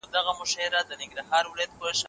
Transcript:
ښځه په اسلام کې د خاوند لپاره څه ده؟